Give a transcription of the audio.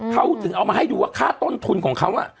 เขาถึงเอามาให้ดูว่าค่าต้นทุนของเขา